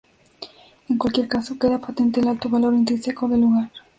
En cualquier caso, queda patente el alto valor intrínseco del lugar.